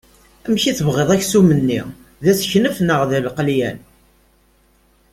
Amek i t-tebɣiḍ aksum-nni d aseknef neɣ d lqelyan?